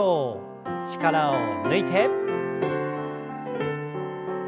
力を抜いて。